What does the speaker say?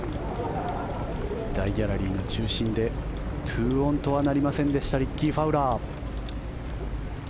大ギャラリーの中心で２オンとはなりませんでしたリッキー・ファウラー。